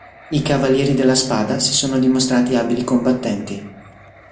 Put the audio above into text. I Cavalieri della Spada si sono dimostrati abili combattenti.